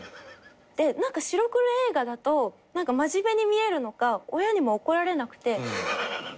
で何か白黒映画だと真面目に見えるのか親にも怒られなくてもうずーっと。